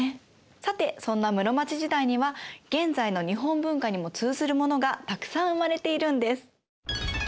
さてそんな室町時代には現在の日本文化にも通ずるものがたくさん生まれているんです。